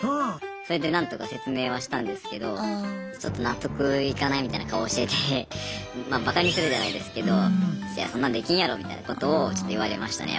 それで何とか説明はしたんですけどちょっと納得いかないみたいな顔しててまあバカにするじゃないですけどみたいなことをちょっと言われましたね